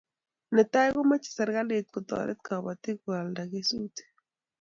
Netai ko mache serikalit ko taret kabatik ko alda kesutik